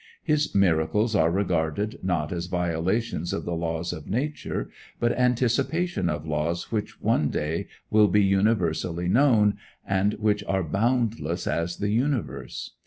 His miracles are regarded not as violations of the laws of nature, but anticipations of laws which one day will be universally known, and which are boundless as the universe.